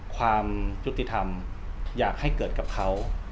ความยุติธรรมอยากให้เกิดกับเขา